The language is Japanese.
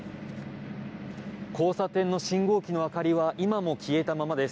交差点の信号機の明かりは今も消えたままです。